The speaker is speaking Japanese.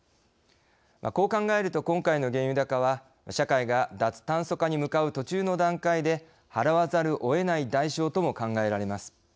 こう考えると今回の原油高は社会が脱炭素化に向かう途中の段階で払わざるをえない代償とも考えられます。